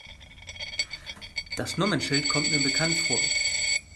Das Nummernschild kommt mir bekannt vor.